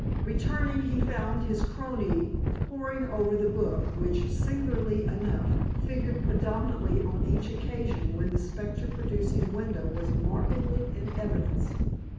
Returning, he found his crony poring over the book which, singularly enough, figured prominently on each occasion when the specter producing window was markedly in evidence.